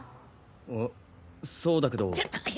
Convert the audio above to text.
えそうだけど。